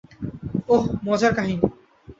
আহ, মজার কাহিনী।